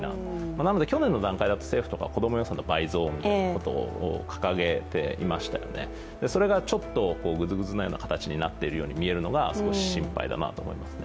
なので去年の段階だと政府とか子供予算の倍増ということを掲げていましたよね、それがちょっとぐずぐずの形になっているように見えるのが少し心配だなと思いますね。